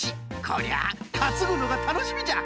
こりゃあかつぐのがたのしみじゃ！